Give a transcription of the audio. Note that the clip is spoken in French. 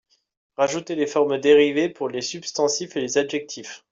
rajouter les formes dérivées pour les substantifs et les adjectifs.